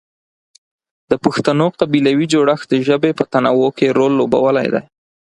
د پښتنو قبیلوي جوړښت د ژبې په تنوع کې رول لوبولی دی.